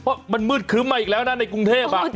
เพราะมันมืดครึ้มมาอีกแล้วนะในกรุงเทพ